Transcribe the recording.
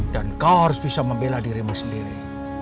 dan kau harus bisa membela dirimu sendiri